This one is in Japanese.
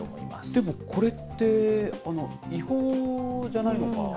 でもこれって、違法じゃないのかな。